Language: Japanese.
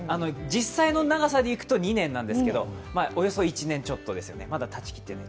実際の長さでいくと２年なんですけれども、およそ１年ちょっとですよね。